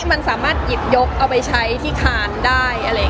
มันสามารถหยิบยกเอาไปใช้ที่ค้านได้